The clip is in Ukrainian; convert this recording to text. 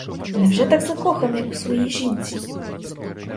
Невже так закоханий у своїй жінці?